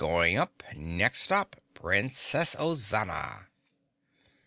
Going up next stop, Princess Ozana!"